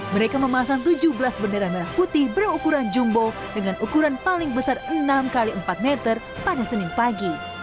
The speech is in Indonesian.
mereka memasang tujuh belas bendera merah putih berukuran jumbo dengan ukuran paling besar enam x empat meter pada senin pagi